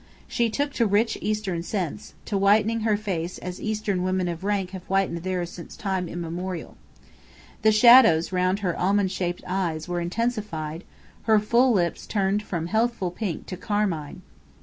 She took to rich Eastern scents, to whitening her face as Eastern women of rank have whitened theirs since time immemorial. The shadows round her almond shaped eyes were intensified: her full lips turned from healthful pink to carmine.